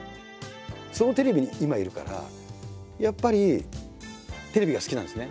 そのテレビに今いるからやっぱりテレビが好きなんですね。